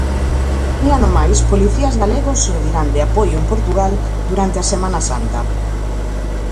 Un ano máis policías galegos servirán de apoio en Portugal durante a Semana Santa.